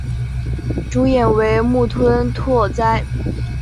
主演为木村拓哉。